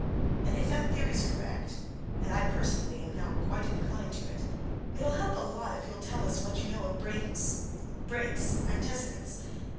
And if that theory's correct and I, personally, am now quite inclined to it it'll help a lot if you'll tell us what you know of Braden's Brake's antecedents.